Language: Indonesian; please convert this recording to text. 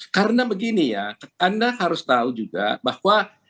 karena begini ya anda harus tahu juga bahwa